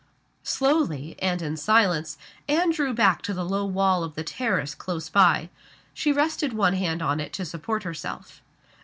Slowly, and in silence, Anne drew back to the low wall of the terrace close by. She rested one hand on it to support herself.